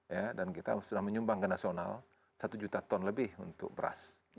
ya dan kita sudah menyumbang ke nasional satu juta ton lebih untuk beras